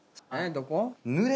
どこ？